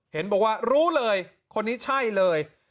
เห็นบอกว่ารู้เลยคนนี้ใช่เลย